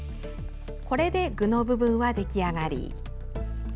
これで具の部分は出来上がり。